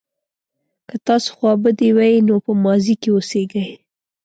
که تاسو خوابدي وئ نو په ماضي کې اوسیږئ.